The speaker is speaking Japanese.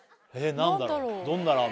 何だろう？